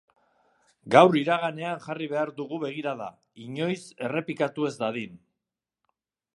Gaur iraganean jarri behar dugu begirada, inoiz errepikatu ez dadin.